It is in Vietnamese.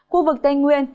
khu vực tây nguyên